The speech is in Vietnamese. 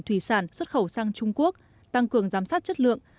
thủy sản xuất khẩu sang trung quốc tăng cường giám sát chất lượng